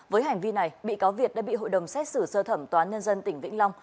với hành vi này bị cáo việt đã bị hội đồng xét xử sơ thẩm toán nhân dân tỉnh vĩnh long